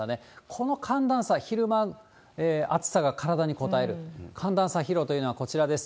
この寒暖差、昼間暑さが体にこたえる、寒暖差疲労というのはこちらです。